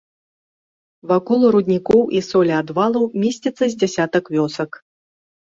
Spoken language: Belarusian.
Вакол руднікоў і солеадвалаў месціцца з дзясятак вёсак.